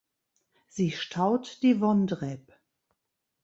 Sie staut die Wondreb.